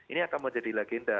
ini akan menjadi legenda